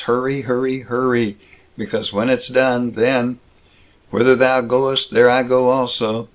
Hurry, hurry, hurry! Because when it's done, then Whither thou goest, there I go also!